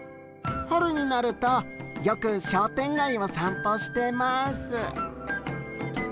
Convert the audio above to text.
春になるとよく商店街を散歩してます。